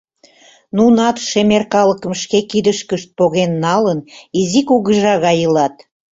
Нунат, шемер калыкым шке кидышкышт поген налын, изи кугыжа гай илат.